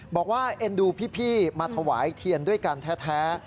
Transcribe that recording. เอ็นดูพี่มาถวายเทียนด้วยกันแท้